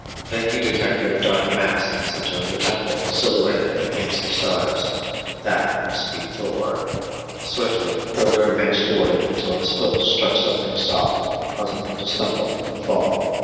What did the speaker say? Then he detected a dark mass in the center of the temple silhouetted against the stars; that must be Thor. Swiftly Builder advanced towards it until his foot struck something soft, causing him to stumble and fall.